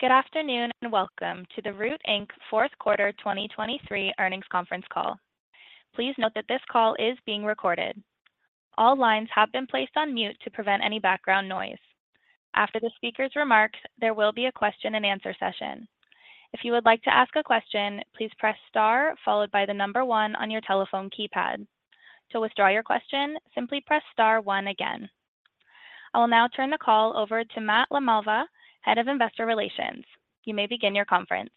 Good afternoon and welcome to the Root, Inc. fourth quarter 2023 earnings conference call. Please note that this call is being recorded. All lines have been placed on mute to prevent any background noise. After the speaker's remarks, there will be a question-and-answer session. If you would like to ask a question, please press star followed by the number one on your telephone keypad. To withdraw your question, simply press star one again. I will now turn the call over to Matt LaMalva, Head of Investor Relations. You may begin your conference.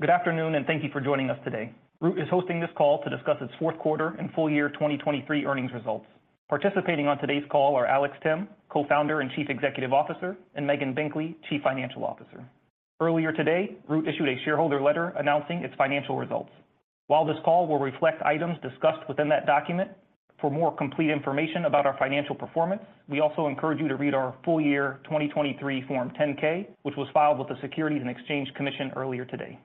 Good afternoon and thank you for joining us today. Root is hosting this call to discuss its fourth quarter and full year 2023 earnings results. Participating on today's call are Alex Timm, Co-Founder and Chief Executive Officer, and Megan Binkley, Chief Financial Officer. Earlier today, Root issued a shareholder letter announcing its financial results. While this call will reflect items discussed within that document, for more complete information about our financial performance, we also encourage you to read our full year 2023 Form 10-K, which was filed with the Securities and Exchange Commission earlier today.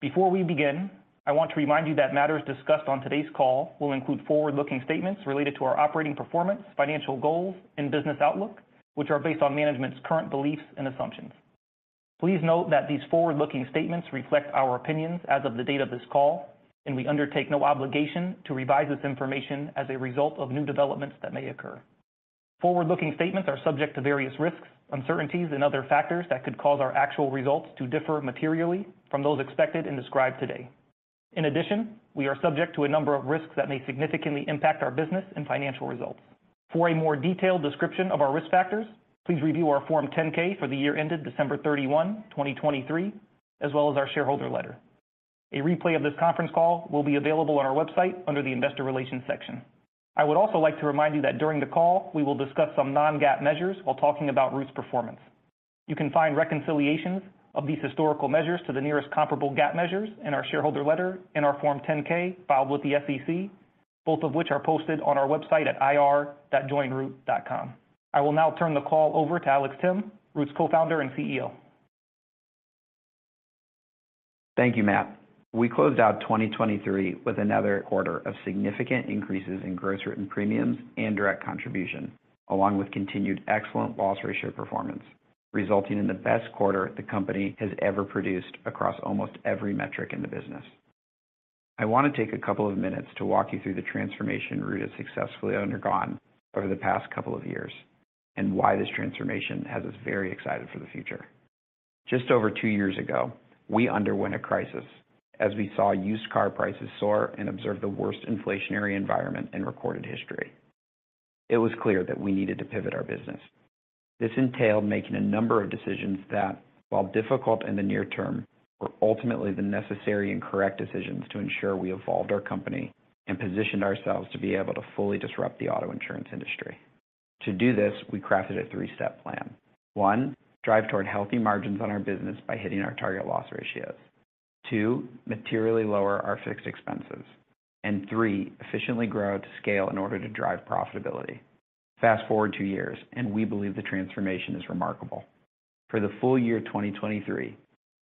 Before we begin, I want to remind you that matters discussed on today's call will include forward-looking statements related to our operating performance, financial goals, and business outlook, which are based on management's current beliefs and assumptions. Please note that these forward-looking statements reflect our opinions as of the date of this call, and we undertake no obligation to revise this information as a result of new developments that may occur. Forward-looking statements are subject to various risks, uncertainties, and other factors that could cause our actual results to differ materially from those expected and described today. In addition, we are subject to a number of risks that may significantly impact our business and financial results. For a more detailed description of our risk factors, please review our Form 10-K for the year ended December 31, 2023, as well as our shareholder letter. A replay of this conference call will be available on our website under the investor relations section. I would also like to remind you that during the call, we will discuss some non-GAAP measures while talking about Root's performance. You can find reconciliations of these historical measures to the nearest comparable GAAP measures in our shareholder letter and our Form 10-K filed with the SEC, both of which are posted on our website at ir.joinroot.com. I will now turn the call over to Alex Timm, Root's co-founder and CEO. Thank you, Matt. We closed out 2023 with another quarter of significant increases in Gross Written Premiums and Direct Contribution, along with continued excellent loss ratio performance, resulting in the best quarter the company has ever produced across almost every metric in the business. I want to take a couple of minutes to walk you through the transformation Root has successfully undergone over the past couple of years and why this transformation has us very excited for the future. Just over two years ago, we underwent a crisis as we saw used car prices soar and observed the worst inflationary environment in recorded history. It was clear that we needed to pivot our business. This entailed making a number of decisions that, while difficult in the near term, were ultimately the necessary and correct decisions to ensure we evolved our company and positioned ourselves to be able to fully disrupt the auto insurance industry. To do this, we crafted a three-step plan: one, drive toward healthy margins on our business by hitting our target loss ratios; two, materially lower our fixed expenses; and three, efficiently grow to scale in order to drive profitability. Fast forward two years, and we believe the transformation is remarkable. For the full year 2023,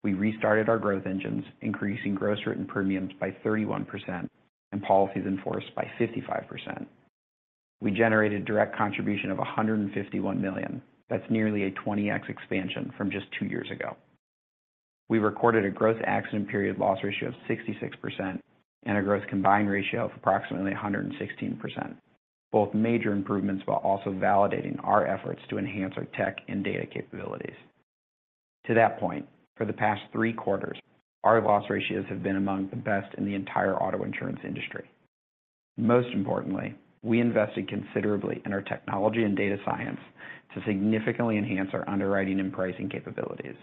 we restarted our growth engines, increasing gross written premiums by 31% and policies in force by 55%. We generated direct contribution of $151 million. That's nearly a 20x expansion from just two years ago. We recorded a gross accident period loss ratio of 66% and a gross combined ratio of approximately 116%, both major improvements while also validating our efforts to enhance our tech and data capabilities. To that point, for the past three quarters, our loss ratios have been among the best in the entire auto insurance industry. Most importantly, we invested considerably in our technology and data science to significantly enhance our underwriting and pricing capabilities.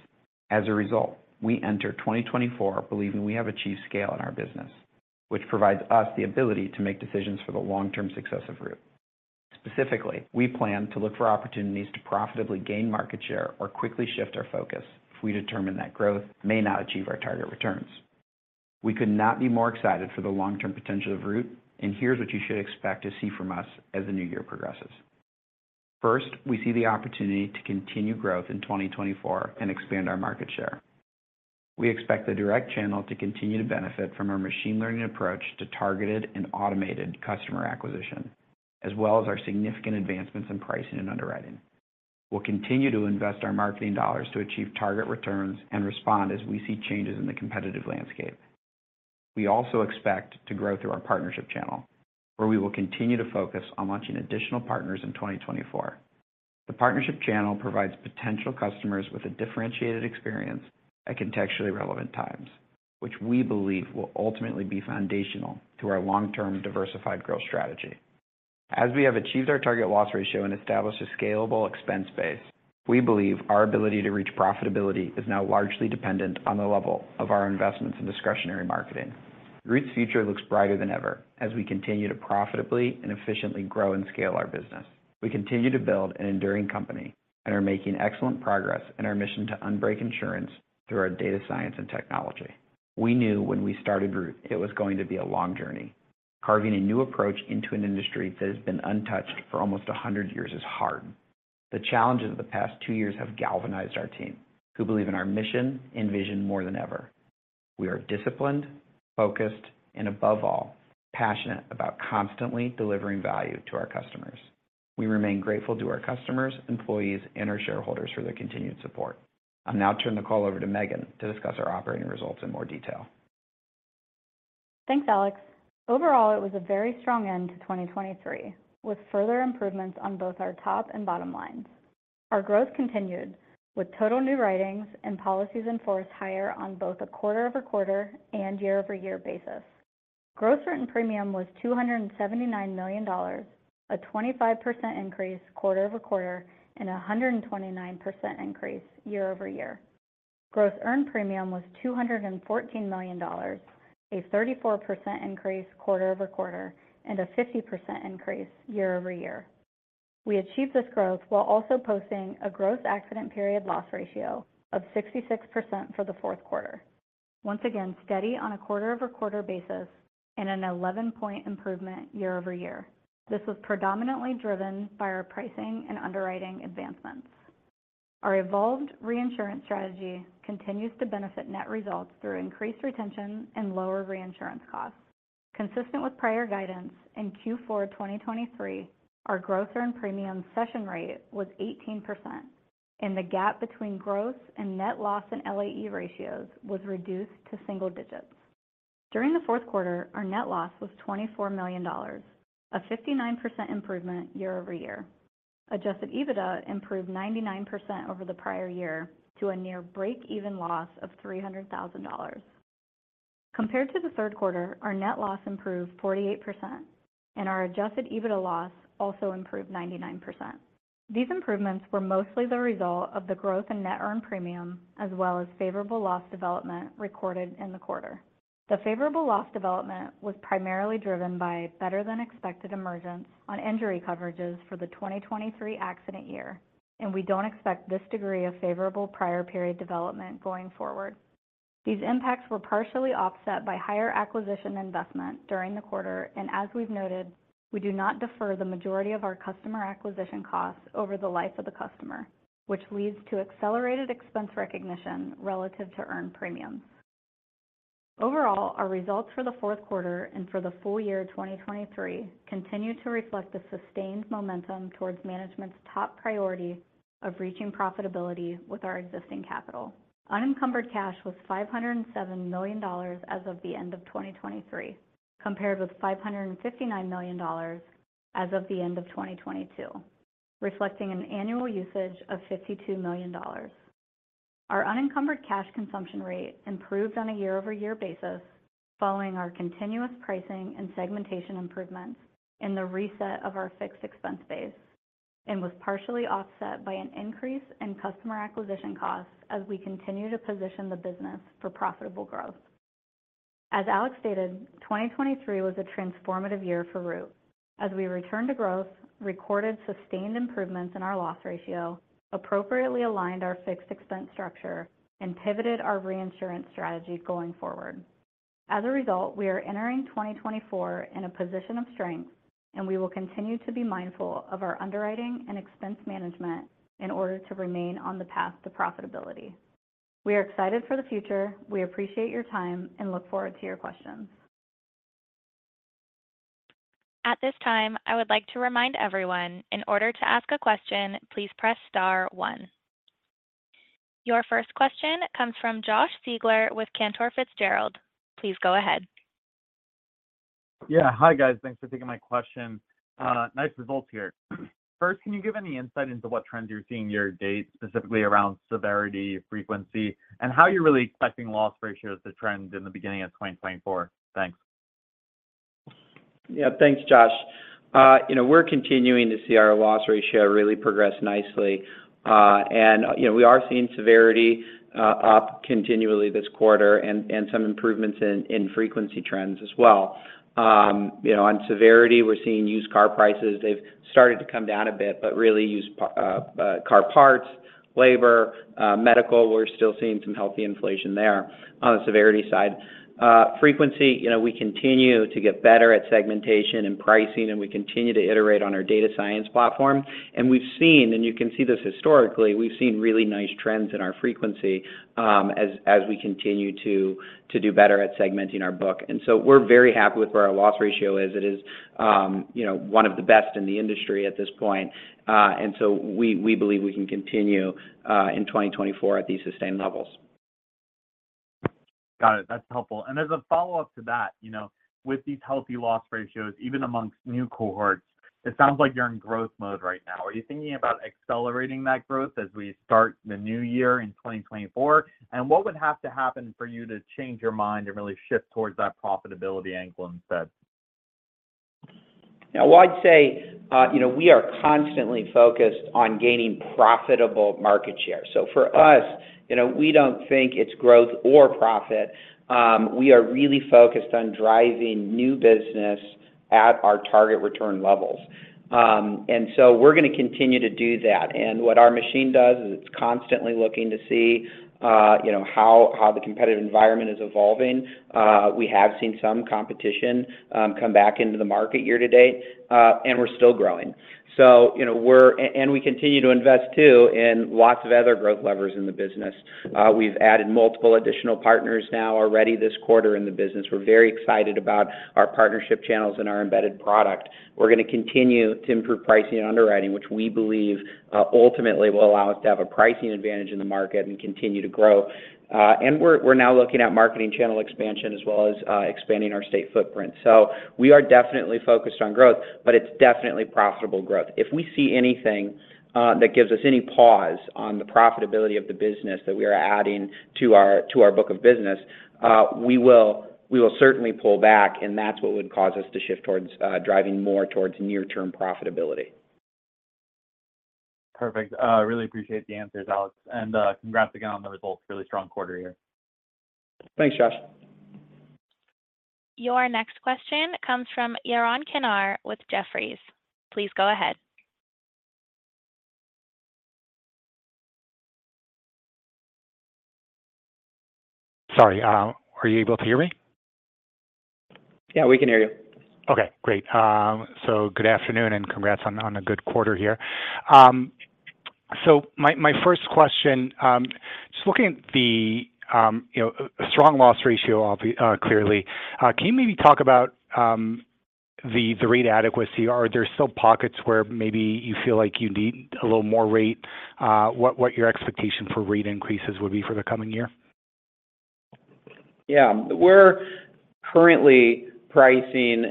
As a result, we enter 2024 believing we have achieved scale in our business, which provides us the ability to make decisions for the long-term success of Root. Specifically, we plan to look for opportunities to profitably gain market share or quickly shift our focus if we determine that growth may not achieve our target returns. We could not be more excited for the long-term potential of Root, and here's what you should expect to see from us as the new year progresses. First, we see the opportunity to continue growth in 2024 and expand our market share. We expect the direct channel to continue to benefit from our machine learning approach to targeted and automated customer acquisition, as well as our significant advancements in pricing and underwriting. We'll continue to invest our marketing dollars to achieve target returns and respond as we see changes in the competitive landscape. We also expect to grow through our partnership channel, where we will continue to focus on launching additional partners in 2024. The partnership channel provides potential customers with a differentiated experience at contextually relevant times, which we believe will ultimately be foundational to our long-term diversified growth strategy. As we have achieved our target loss ratio and established a scalable expense base, we believe our ability to reach profitability is now largely dependent on the level of our investments in discretionary marketing. Root's future looks brighter than ever as we continue to profitably and efficiently grow and scale our business. We continue to build an enduring company and are making excellent progress in our mission to unbreak insurance through our data science and technology. We knew when we started Root it was going to be a long journey. Carving a new approach into an industry that has been untouched for almost 100 years is hard. The challenges of the past two years have galvanized our team, who believe in our mission and vision more than ever. We are disciplined, focused, and above all, passionate about constantly delivering value to our customers. We remain grateful to our customers, employees, and our shareholders for their continued support. I'll now turn the call over to Megan to discuss our operating results in more detail. Thanks, Alex. Overall, it was a very strong end to 2023 with further improvements on both our top and bottom lines. Our growth continued, with total new writings and policies in force higher on both a quarter-over-quarter and year-over-year basis. Gross written premium was $279 million, a 25% increase quarter-over-quarter and a 129% increase year-over-year. Gross earned premium was $214 million, a 34% increase quarter-over-quarter and a 50% increase year-over-year. We achieved this growth while also posting a gross accident period loss ratio of 66% for the fourth quarter, once again steady on a quarter-over-quarter basis and an 11-point improvement year-over-year. This was predominantly driven by our pricing and underwriting advancements. Our evolved reinsurance strategy continues to benefit net results through increased retention and lower reinsurance costs. Consistent with prior guidance, in Q4 2023, our gross earned premium cession rate was 18%, and the gap between gross and net loss and LAE ratios was reduced to single digits. During the fourth quarter, our net loss was $24 million, a 59% improvement year-over-year. Adjusted EBITDA improved 99% over the prior year to a near break-even loss of $300,000. Compared to the third quarter, our net loss improved 48%, and our Adjusted EBITDA loss also improved 99%. These improvements were mostly the result of the growth in net earned premium as well as favorable loss development recorded in the quarter. The favorable loss development was primarily driven by better-than-expected emergence on injury coverages for the 2023 accident year, and we don't expect this degree of favorable prior period development going forward. These impacts were partially offset by higher acquisition investment during the quarter, and as we've noted, we do not defer the majority of our customer acquisition costs over the life of the customer, which leads to accelerated expense recognition relative to earned premiums. Overall, our results for the fourth quarter and for the full year 2023 continue to reflect the sustained momentum towards management's top priority of reaching profitability with our existing capital. Unencumbered cash was $507 million as of the end of 2023 compared with $559 million as of the end of 2022, reflecting an annual usage of $52 million. Our unencumbered cash consumption rate improved on a year-over-year basis following our continuous pricing and segmentation improvements and the reset of our fixed expense base, and was partially offset by an increase in customer acquisition costs as we continue to position the business for profitable growth. As Alex stated, 2023 was a transformative year for Root. As we returned to growth, recorded sustained improvements in our loss ratio appropriately aligned our fixed expense structure and pivoted our reinsurance strategy going forward. As a result, we are entering 2024 in a position of strength, and we will continue to be mindful of our underwriting and expense management in order to remain on the path to profitability. We are excited for the future. We appreciate your time and look forward to your questions. At this time, I would like to remind everyone, in order to ask a question, please press star one. Your first question comes from Josh Siegler with Cantor Fitzgerald. Please go ahead. Yeah. Hi, guys. Thanks for taking my question. Nice results here. First, can you give any insight into what trends you're seeing year to date, specifically around severity, frequency, and how you're really expecting loss ratios to trend in the beginning of 2024? Thanks. Yeah. Thanks, Josh. We're continuing to see our loss ratio really progress nicely, and we are seeing severity up continually this quarter and some improvements in frequency trends as well. On severity, we're seeing used car prices. They've started to come down a bit, but really used car parts, labor, medical, we're still seeing some healthy inflation there on the severity side. Frequency, we continue to get better at segmentation and pricing, and we continue to iterate on our data science platform. And we've seen, and you can see this historically, we've seen really nice trends in our frequency as we continue to do better at segmenting our book. And so we're very happy with where our loss ratio is. It is one of the best in the industry at this point, and so we believe we can continue in 2024 at these sustained levels. Got it. That's helpful. As a follow-up to that, with these healthy loss ratios, even amongst new cohorts, it sounds like you're in growth mode right now. Are you thinking about accelerating that growth as we start the new year in 2024, and what would have to happen for you to change your mind and really shift towards that profitability angle instead? Yeah. Well, I'd say we are constantly focused on gaining profitable market share. So for us, we don't think it's growth or profit. We are really focused on driving new business at our target return levels, and so we're going to continue to do that. And what our machine does is it's constantly looking to see how the competitive environment is evolving. We have seen some competition come back into the market year to date, and we're still growing. And we continue to invest too in lots of other growth levers in the business. We've added multiple additional partners now already this quarter in the business. We're very excited about our partnership channels and our embedded product. We're going to continue to improve pricing and underwriting, which we believe ultimately will allow us to have a pricing advantage in the market and continue to grow. We're now looking at marketing channel expansion as well as expanding our state footprint. We are definitely focused on growth, but it's definitely profitable growth. If we see anything that gives us any pause on the profitability of the business that we are adding to our book of business, we will certainly pull back, and that's what would cause us to shift towards driving more towards near-term profitability. Perfect. I really appreciate the answers, Alex, and congrats again on the results. Really strong quarter here. Thanks, Josh. Your next question comes from Yaron Kinar with Jefferies. Please go ahead. Sorry. Are you able to hear me? Yeah. We can hear you. Okay. Great. So good afternoon, and congrats on a good quarter here. So my first question, just looking at the strong loss ratio clearly, can you maybe talk about the rate adequacy? Are there still pockets where maybe you feel like you need a little more rate? What your expectation for rate increases would be for the coming year? Yeah. We're currently pricing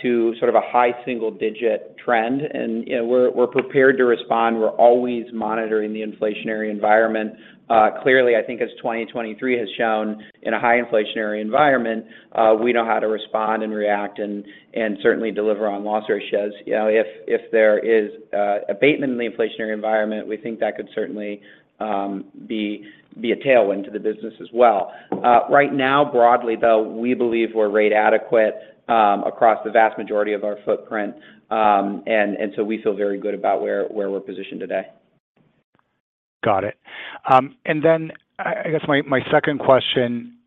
to sort of a high single-digit trend, and we're prepared to respond. We're always monitoring the inflationary environment. Clearly, I think as 2023 has shown, in a high inflationary environment, we know how to respond and react and certainly deliver on loss ratios. If there is abatement in the inflationary environment, we think that could certainly be a tailwind to the business as well. Right now, broadly, though, we believe we're rate adequate across the vast majority of our footprint, and so we feel very good about where we're positioned today. Got it. And then I guess my second question,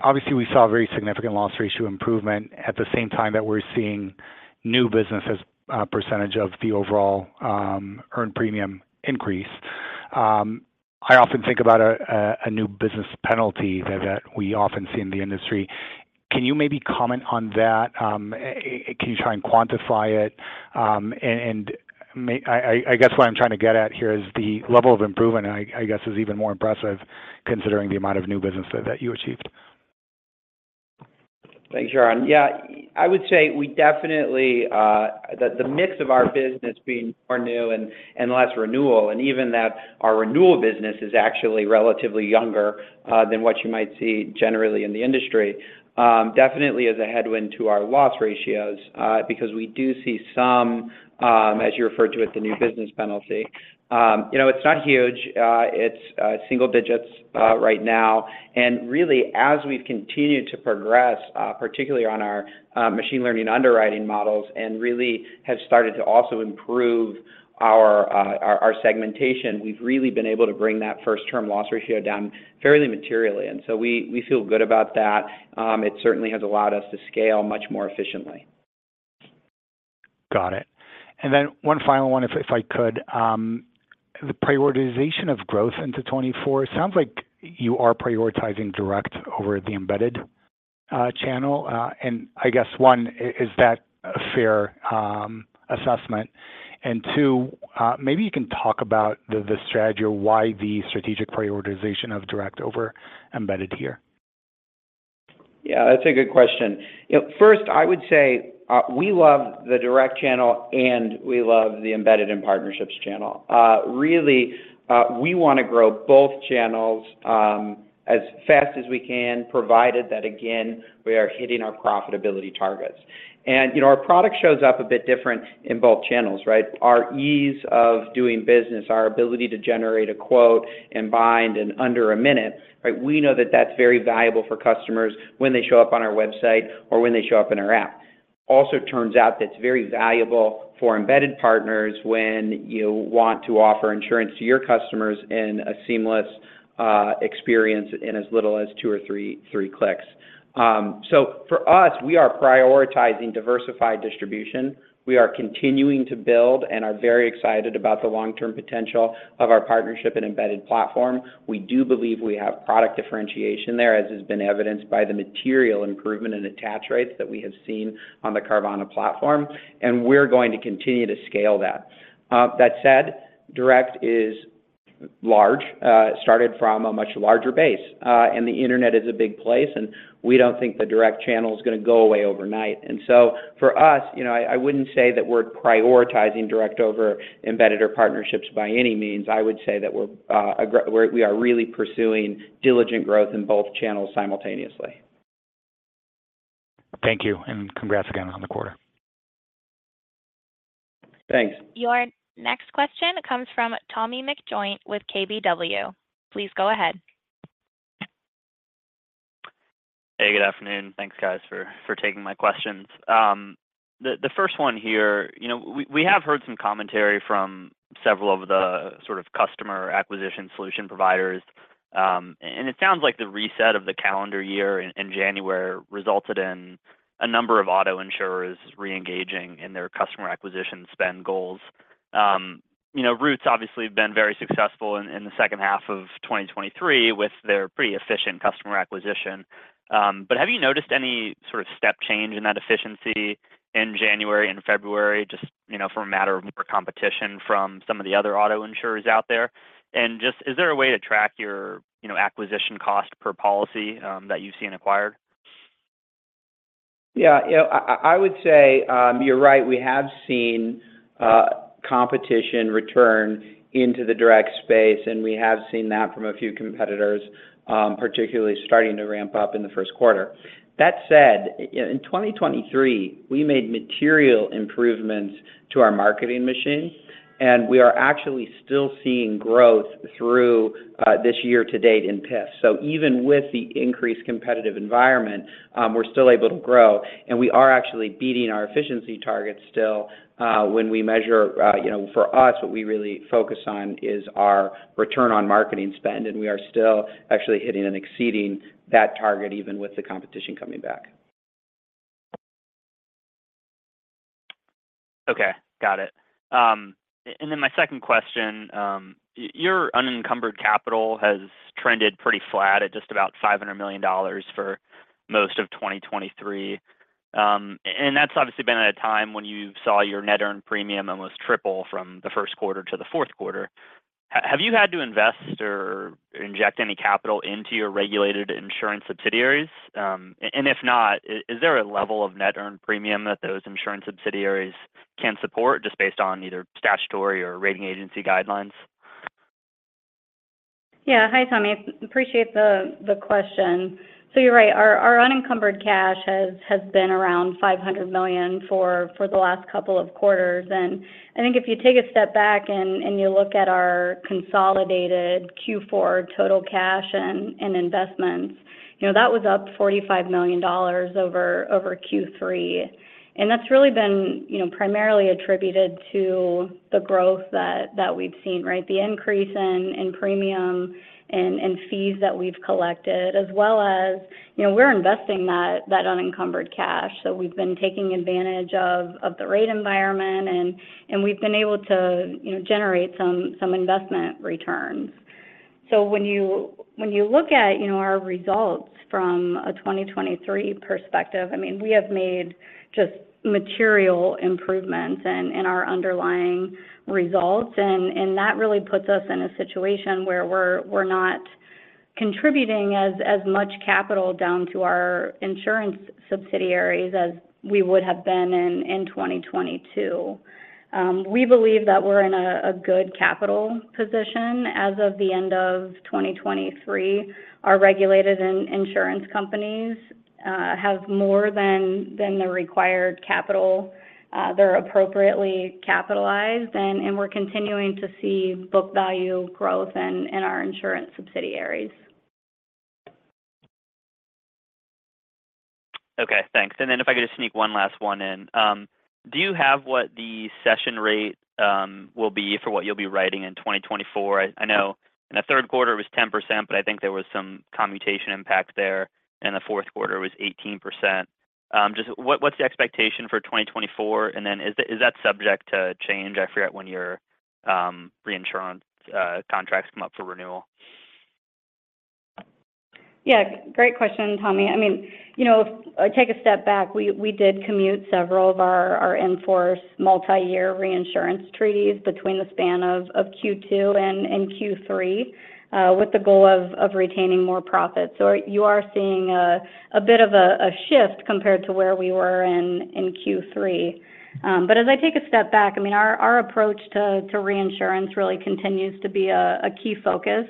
obviously, we saw a very significant loss ratio improvement at the same time that we're seeing new business as a percentage of the overall earned premium increase. I often think about a new business penalty that we often see in the industry. Can you maybe comment on that? Can you try and quantify it? And I guess what I'm trying to get at here is the level of improvement, I guess, is even more impressive considering the amount of new business that you achieved. Thanks, Yaron. Yeah. I would say we definitely the mix of our business being more new and less renewal, and even that our renewal business is actually relatively younger than what you might see generally in the industry, definitely is a headwind to our loss ratios because we do see some, as you referred to it, the new business penalty. It's not huge. It's single digits right now. And really, as we've continued to progress, particularly on our machine learning underwriting models and really have started to also improve our segmentation, we've really been able to bring that first-term loss ratio down fairly materially, and so we feel good about that. It certainly has allowed us to scale much more efficiently. Got it. And then one final one, if I could, the prioritization of growth into 2024, it sounds like you are prioritizing direct over the embedded channel. And I guess, one, is that a fair assessment? And two, maybe you can talk about the strategy or why the strategic prioritization of direct over embedded here. Yeah. That's a good question. First, I would say we love the direct channel, and we love the embedded and partnerships channel. Really, we want to grow both channels as fast as we can, provided that, again, we are hitting our profitability targets. And our product shows up a bit different in both channels, right? Our ease of doing business, our ability to generate a quote and bind in under a minute, right? We know that that's very valuable for customers when they show up on our website or when they show up in our app. Also turns out that's very valuable for embedded partners when you want to offer insurance to your customers in a seamless experience in as little as two or three clicks. So for us, we are prioritizing diversified distribution. We are continuing to build and are very excited about the long-term potential of our partnership and embedded platform. We do believe we have product differentiation there, as has been evidenced by the material improvement in attach rates that we have seen on the Carvana platform, and we're going to continue to scale that. That said, direct is large, started from a much larger base, and the internet is a big place, and we don't think the direct channel is going to go away overnight. And so for us, I wouldn't say that we're prioritizing direct over embedded or partnerships by any means. I would say that we are really pursuing diligent growth in both channels simultaneously. Thank you, and congrats again on the quarter. Thanks. Your next question comes from Tommy McJoynt with KBW. Please go ahead. Hey. Good afternoon. Thanks, guys, for taking my questions. The first one here, we have heard some commentary from several of the sort of customer acquisition solution providers, and it sounds like the reset of the calendar year in January resulted in a number of auto insurers reengaging in their customer acquisition spend goals. Root's obviously been very successful in the second half of 2023 with their pretty efficient customer acquisition. But have you noticed any sort of step change in that efficiency in January and February just for a matter of more competition from some of the other auto insurers out there? And just is there a way to track your acquisition cost per policy that you've seen acquired? Yeah. I would say you're right. We have seen competition return into the direct space, and we have seen that from a few competitors, particularly starting to ramp up in the first quarter. That said, in 2023, we made material improvements to our marketing machine, and we are actually still seeing growth through this year to date in PIF. So even with the increased competitive environment, we're still able to grow, and we are actually beating our efficiency targets still. When we measure, for us, what we really focus on is our return on marketing spend, and we are still actually hitting and exceeding that target even with the competition coming back. Okay. Got it. Then my second question: your unencumbered capital has trended pretty flat at just about $500 million for most of 2023, and that's obviously been at a time when you saw your net earned premium almost triple from the first quarter to the fourth quarter. Have you had to invest or inject any capital into your regulated insurance subsidiaries? And if not, is there a level of net earned premium that those insurance subsidiaries can support just based on either statutory or rating agency guidelines? Yeah. Hi, Tommy. Appreciate the question. So you're right. Our unencumbered cash has been around $500 million for the last couple of quarters. I think if you take a step back and you look at our consolidated Q4 total cash and investments, that was up $45 million over Q3, and that's really been primarily attributed to the growth that we've seen, right? The increase in premium and fees that we've collected, as well as we're investing that unencumbered cash. So we've been taking advantage of the rate environment, and we've been able to generate some investment returns. So when you look at our results from a 2023 perspective, I mean, we have made just material improvements in our underlying results, and that really puts us in a situation where we're not contributing as much capital down to our insurance subsidiaries as we would have been in 2022. We believe that we're in a good capital position as of the end of 2023. Our regulated insurance companies have more than the required capital. They're appropriately capitalized, and we're continuing to see book value growth in our insurance subsidiaries. Okay. Thanks. And then if I could just sneak one last one in, do you have what the cession rate will be for what you'll be writing in 2024? I know in the third quarter, it was 10%, but I think there was some commutation impact there, and the fourth quarter, it was 18%. Just what's the expectation for 2024, and then is that subject to change? I forget when your reinsurance contracts come up for renewal. Yeah. Great question, Tommy. I mean, if I take a step back, we did commute several of our in-force multi-year reinsurance treaties between the span of Q2 and Q3 with the goal of retaining more profit. So you are seeing a bit of a shift compared to where we were in Q3. But as I take a step back, I mean, our approach to reinsurance really continues to be a key focus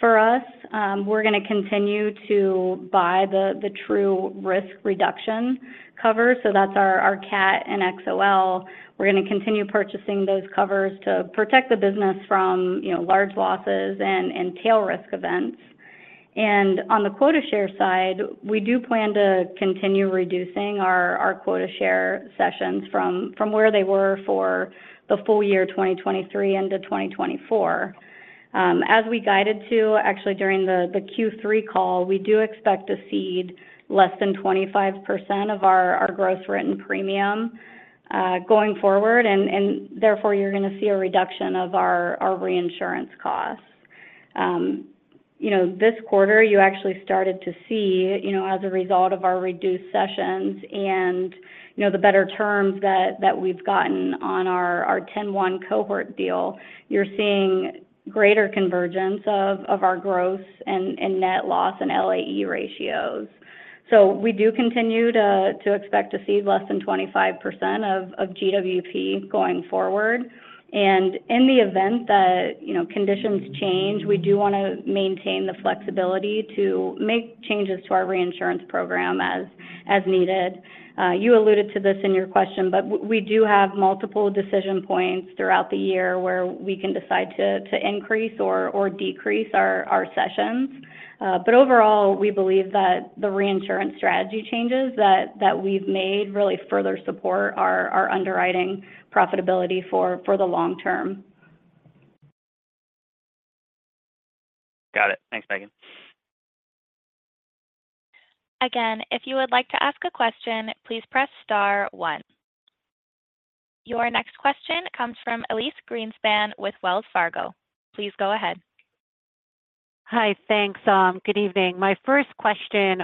for us. We're going to continue to buy the tail risk reduction covers, so that's our CAT and XOL. We're going to continue purchasing those covers to protect the business from large losses and tail risk events. And on the quota share side, we do plan to continue reducing our quota share cessions from where they were for the full year 2023 into 2024. As we guided to, actually, during the Q3 call, we do expect to cede less than 25% of our gross written premium going forward, and therefore, you're going to see a reduction of our reinsurance costs. This quarter, you actually started to see, as a result of our reduced cessions and the better terms that we've gotten on our 2021 cohort deal, you're seeing greater convergence of our gross and net loss and LAE ratios. So we do continue to expect to cede less than 25% of GWP going forward. In the event that conditions change, we do want to maintain the flexibility to make changes to our reinsurance program as needed. You alluded to this in your question, but we do have multiple decision points throughout the year where we can decide to increase or decrease our cessions. Overall, we believe that the reinsurance strategy changes that we've made really further support our underwriting profitability for the long term. Got it. Thanks, Megan. Again, if you would like to ask a question, please press star one. Your next question comes from Elyse Greenspan with Wells Fargo. Please go ahead. Hi. Thanks. Good evening. My first question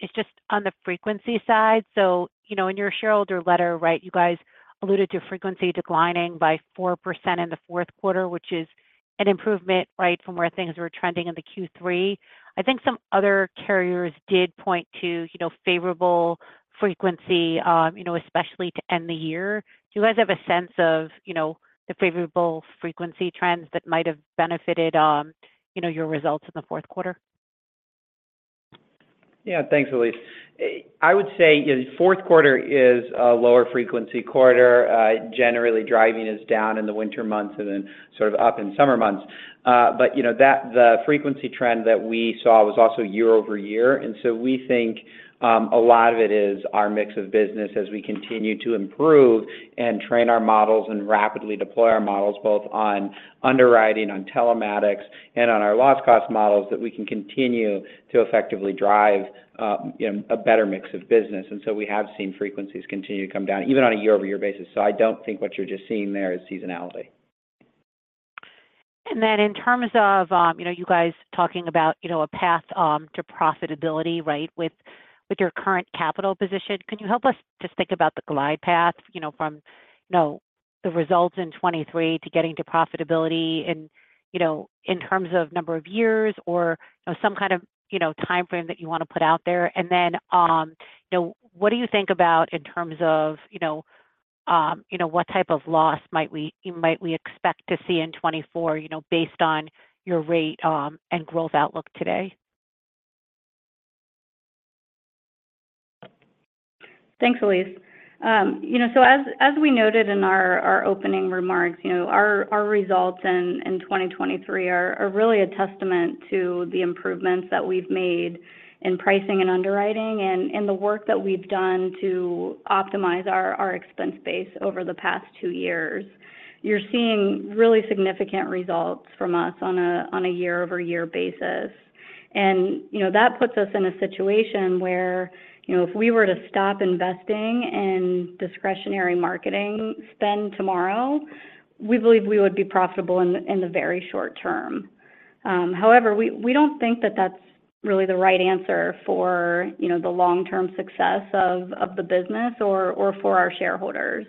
is just on the frequency side. So in your shareholder letter, right, you guys alluded to frequency declining by 4% in the fourth quarter, which is an improvement, right, from where things were trending in the Q3. I think some other carriers did point to favorable frequency, especially to end the year. Do you guys have a sense of the favorable frequency trends that might have benefited your results in the fourth quarter? Yeah. Thanks, Elyse. I would say the fourth quarter is a lower frequency quarter. Generally, driving is down in the winter months and then sort of up in summer months. But the frequency trend that we saw was also year-over-year, and so we think a lot of it is our mix of business as we continue to improve and train our models and rapidly deploy our models both on underwriting, on telematics, and on our loss cost models that we can continue to effectively drive a better mix of business. And so we have seen frequencies continue to come down even on a year-over-year basis. So I don't think what you're just seeing there is seasonality. And then in terms of you guys talking about a path to profitability, right, with your current capital position, can you help us just think about the glide path from the results in 2023 to getting to profitability in terms of number of years or some kind of time frame that you want to put out there? And then what do you think about in terms of what type of loss might we expect to see in 2024 based on your rate and growth outlook today? Thanks, Elyse. As we noted in our opening remarks, our results in 2023 are really a testament to the improvements that we've made in pricing and underwriting and in the work that we've done to optimize our expense base over the past two years. You're seeing really significant results from us on a year-over-year basis, and that puts us in a situation where if we were to stop investing in discretionary marketing spend tomorrow, we believe we would be profitable in the very short term. However, we don't think that that's really the right answer for the long-term success of the business or for our shareholders.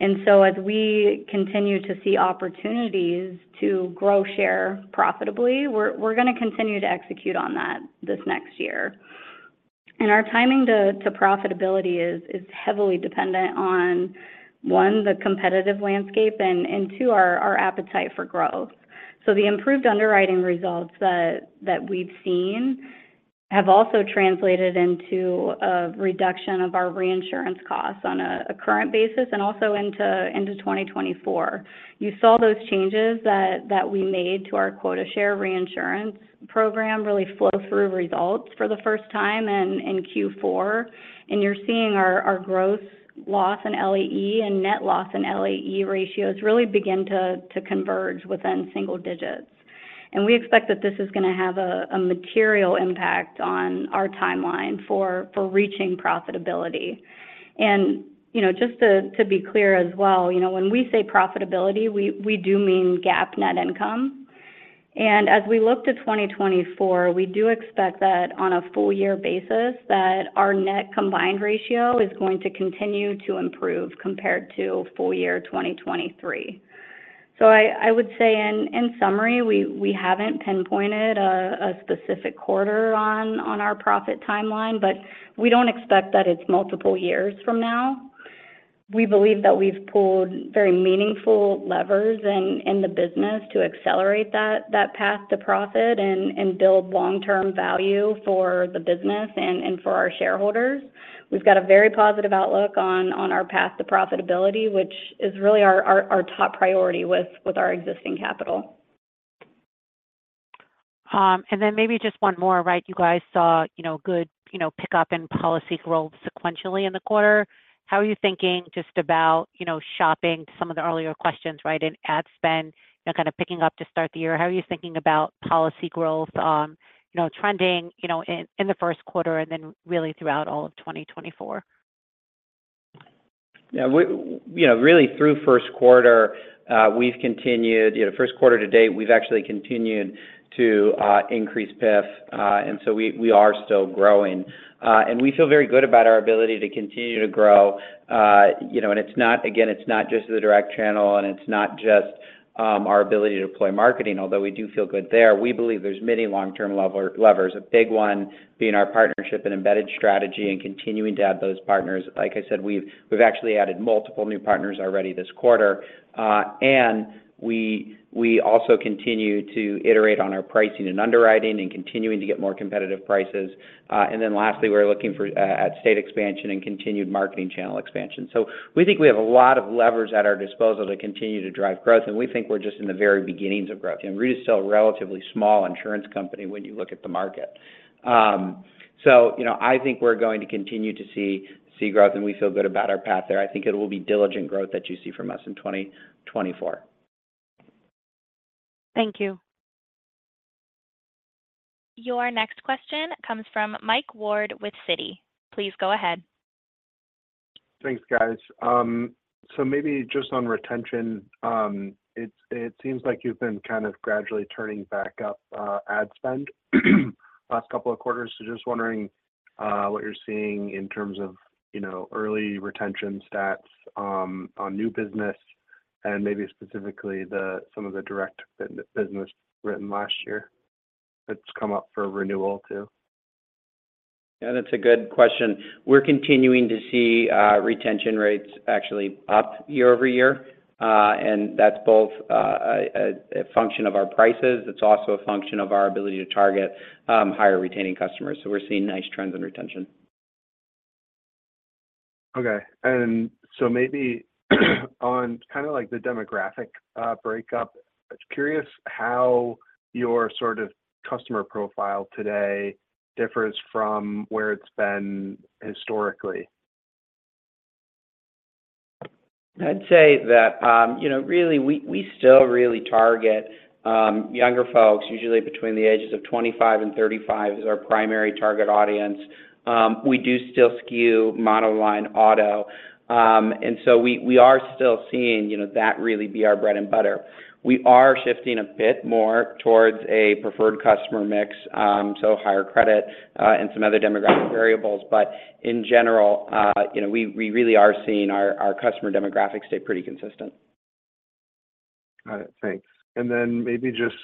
As we continue to see opportunities to grow share profitably, we're going to continue to execute on that this next year. Our timing to profitability is heavily dependent on, one, the competitive landscape, and two, our appetite for growth. So the improved underwriting results that we've seen have also translated into a reduction of our reinsurance costs on a current basis and also into 2024. You saw those changes that we made to our quota share reinsurance program really flow through results for the first time in Q4, and you're seeing our gross loss and LAE and net loss and LAE ratios really begin to converge within single digits. We expect that this is going to have a material impact on our timeline for reaching profitability. Just to be clear as well, when we say profitability, we do mean GAAP net income. As we look to 2024, we do expect that on a full-year basis, that our net combined ratio is going to continue to improve compared to full-year 2023. I would say, in summary, we haven't pinpointed a specific quarter on our profit timeline, but we don't expect that it's multiple years from now. We believe that we've pulled very meaningful levers in the business to accelerate that path to profit and build long-term value for the business and for our shareholders. We've got a very positive outlook on our path to profitability, which is really our top priority with our existing capital. And then maybe just one more, right? You guys saw good pickup in policy growth sequentially in the quarter. How are you thinking just about shopping to some of the earlier questions, right, in ad spend, kind of picking up to start the year? How are you thinking about policy growth trending in the first quarter and then really throughout all of 2024? Yeah. Really, through first quarter to date, we've actually continued to increase PIF, and so we are still growing. And we feel very good about our ability to continue to grow. And again, it's not just the direct channel, and it's not just our ability to deploy marketing, although we do feel good there. We believe there's many long-term levers, a big one being our partnership and embedded strategy and continuing to add those partners. Like I said, we've actually added multiple new partners already this quarter. And we also continue to iterate on our pricing and underwriting and continuing to get more competitive prices. And then lastly, we're looking at state expansion and continued marketing channel expansion. So we think we have a lot of levers at our disposal to continue to drive growth, and we think we're just in the very beginnings of growth. Root is still a relatively small insurance company when you look at the market. So I think we're going to continue to see growth, and we feel good about our path there. I think it will be diligent growth that you see from us in 2024. Thank you. Your next question comes from Mike Ward with Citi. Please go ahead. Thanks, guys. So maybe just on retention, it seems like you've been kind of gradually turning back up ad spend last couple of quarters. So just wondering what you're seeing in terms of early retention stats on new business and maybe specifically some of the direct business written last year that's come up for renewal too. Yeah. That's a good question. We're continuing to see retention rates actually up year-over-year, and that's both a function of our prices. It's also a function of our ability to target higher retaining customers. So we're seeing nice trends in retention. Okay. So maybe on kind of the demographic breakdown, curious how your sort of customer profile today differs from where it's been historically? I'd say that really, we still really target younger folks, usually between the ages of 25 and 35 is our primary target audience. We do still skew monoline auto, and so we are still seeing that really be our bread and butter. We are shifting a bit more towards a preferred customer mix, so higher credit and some other demographic variables. But in general, we really are seeing our customer demographics stay pretty consistent. Got it. Thanks. Then maybe just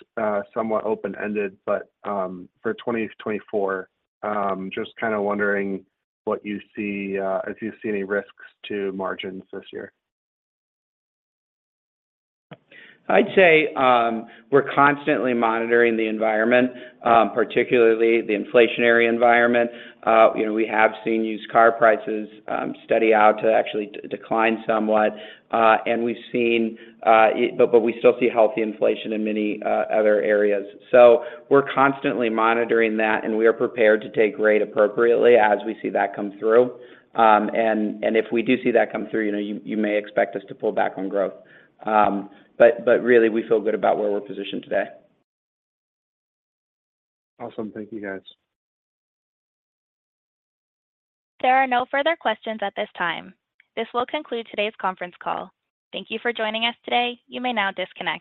somewhat open-ended, but for 2024, just kind of wondering if you see any risks to margins this year. I'd say we're constantly monitoring the environment, particularly the inflationary environment. We have seen used car prices steady out to actually decline somewhat, and we've seen, but we still see healthy inflation in many other areas. So we're constantly monitoring that, and we are prepared to take rate appropriately as we see that come through. If we do see that come through, you may expect us to pull back on growth. But really, we feel good about where we're positioned today. Awesome. Thank you, guys. There are no further questions at this time. This will conclude today's conference call. Thank you for joining us today. You may now disconnect.